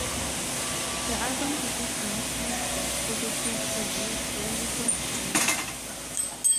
The album received mostly positive reviews when it was released.